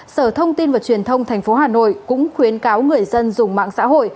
sở thông tin và truyền thông tp hà nội cũng khuyến cáo người dân dùng mạng xã hội